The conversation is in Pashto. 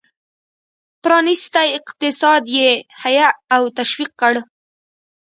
پرانیستی اقتصاد یې حیه او تشویق کړ.